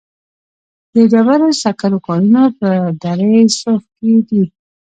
د ډبرو سکرو کانونه په دره صوف کې دي